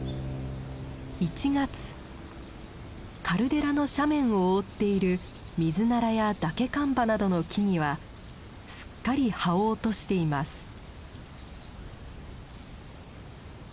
カルデラの斜面を覆っているミズナラやダケカンバなどの木々はすっかり葉を落としています。